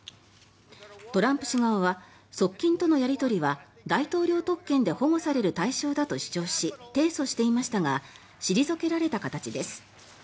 トランプ氏側は側近とのやり取りは大統領特権で保護される対象だと主張し提訴していましたが退けられた形です。